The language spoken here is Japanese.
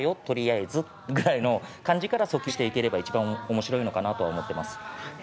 とりあえずぐらいの感じからそきゅうしていければ一番おもしろいのかなとは思ってます。